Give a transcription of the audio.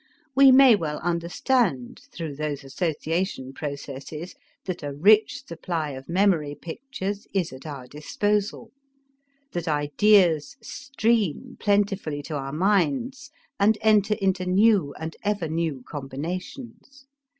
We may well understand through those association processes that a rich supply of memory pictures is at our disposal, that ideas stream plentifully to our minds and enter into new and ever new combinations.